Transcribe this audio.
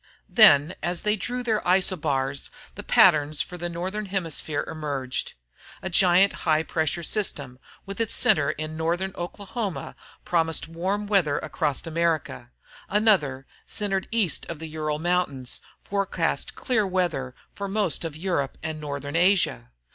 Then, as they drew their isobars, the pattern for the northern hemisphere emerged. A giant high pressure system with its center in northern Oklahoma promised warm fair weather across America. Another, centered east of the Ural Mountains, forecast clear weather for most of Europe and northern Asia.